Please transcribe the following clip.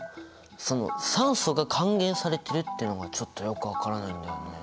その「酸素が還元されてる」っていうのがちょっとよく分からないんだよね。